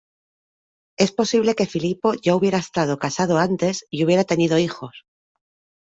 Es posible que Filipo ya hubiera estado casado antes, y hubiera tenido hijos.